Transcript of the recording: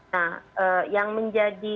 nah yang menjadi